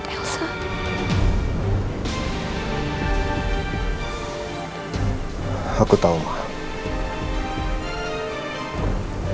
tapi tidak juga serta mata aku senang mendengarnya